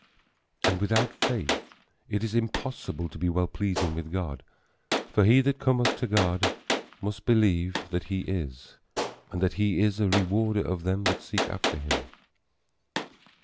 And without faith it is impossible to be well pleasing with God; for he that cometh to God must believe that he is, and that he is a rewarder of them that seek after him.